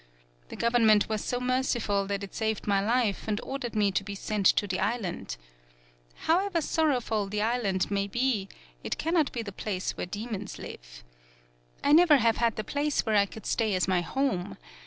The government was so merciful that it saved my life and or dered me to be sent to the island. How ever sorrowful the island may be it can 12 TAKASE BUNE not be the place where demons live. I never have had the place where I could stay as my home.